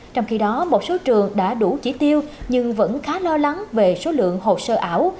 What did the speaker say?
trong khi đó một số trường đã đủ chỉ tiêu nhưng vẫn khá lo lắng về số lượng hồ sơ ảo